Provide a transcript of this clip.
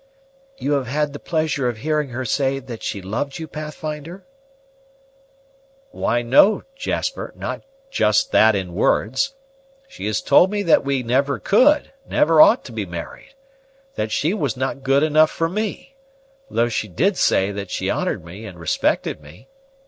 "You have had the pleasure of hearing her say that she loved you, Pathfinder?" "Why, no, Jasper, not just that in words. She has told me that we never could, never ought to be married; that she was not good enough for me, though she did say that she honored me and respected me.